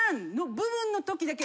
部分のときだけ？